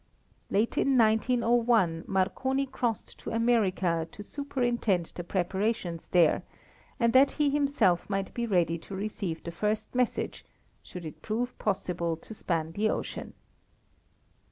Late in 1901 Marconi crossed to America to superintend the preparations there, and that he himself might be ready to receive the first message, should it prove possible to span the ocean.